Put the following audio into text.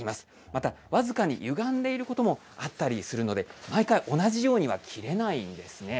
また僅かにゆがんでいることもあったりするので、毎回、同じようには切れないんですね。